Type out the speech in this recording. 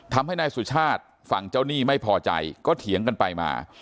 ทำให้นายสุชาติฝั่งเจ้าหนี้ไม่พอใจก็เถียงกันไปมา